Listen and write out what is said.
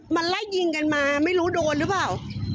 มันไล่ยิงกันมาไม่รู้โดนหรือเปล่า